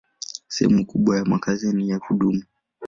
Sehemu kubwa ya makazi ni ya kudumu.